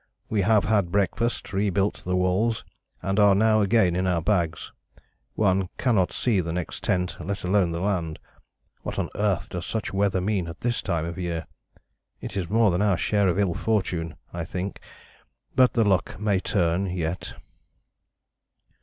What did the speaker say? We have had breakfast, rebuilt the walls, and are now again in our bags. One cannot see the next tent, let alone the land. What on earth does such weather mean at this time of year? It is more than our share of ill fortune, I think, but the luck may turn yet....